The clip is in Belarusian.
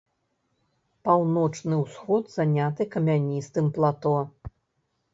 Паўночны ўсход заняты камяністым плато.